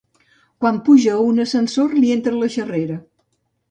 Quan puja a un ascensor li entra la xerrera.